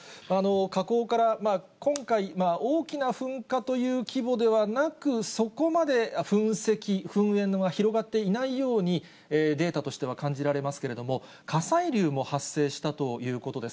火口から今回、大きな噴火という規模ではなく、そこまで噴石、噴煙は広がっていないようにデータとしては感じられますけれども、火砕流も発生したということです。